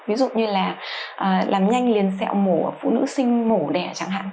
ví dụ như là làm nhanh liền xẹo mổ ở phụ nữ sinh mổ đẻ chẳng hạn